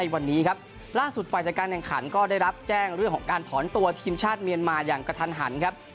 วันนี้ครับล่าสุดฝ่ายจัดการแข่งขันก็ได้รับแจ้งเรื่องของการถอนตัวทีมชาติเมียนมาอย่างกระทันหันครับ